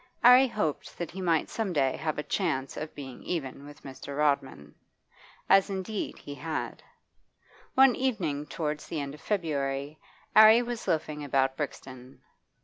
'Arry hoped that he might some day have a chance of being even with Mr. Rodman. As indeed he had. One evening towards the end of February, 'Arry was loafing about Brixton.